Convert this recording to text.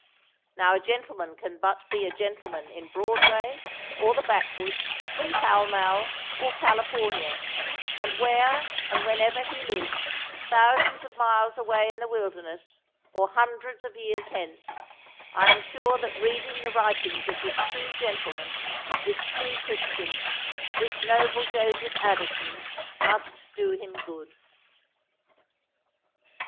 Now a gentleman can but be a gentleman, in Broadway or the back woods, in Pall Mall or California ; and where and whenever he lives, thousands of miles away in the wilderness, or hundreds of years hence, I am sure that reading the writings of this true gentleman, this true Christian, this noble Joseph Addison, must do him good.